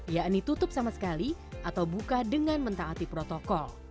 yakni tutup sama sekali atau buka dengan mentaati protokol